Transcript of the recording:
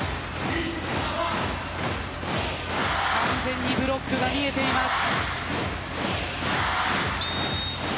完全にブロックが見えています。